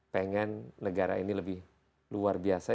pengen negara ini lebih luar biasa